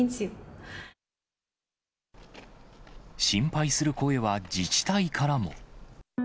心配する声は自治体からも。